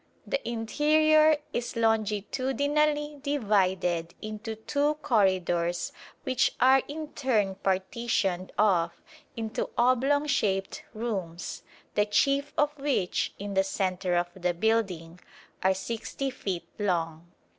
The interior is longitudinally divided into two corridors which are in turn partitioned off into oblong shaped rooms, the chief of which, in the centre of the building, are 60 feet long.